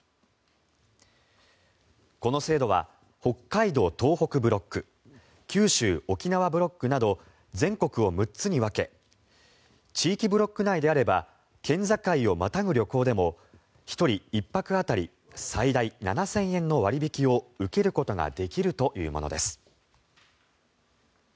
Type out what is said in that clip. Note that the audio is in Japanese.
この制度は北海道・東北ブロック九州・沖縄ブロックなど全国を６つに分け地域ブロック内であれば県境をまたぐ旅行でも１人１泊当たり最大７０００円の割引を受けることができるというものです。